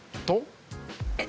えっ。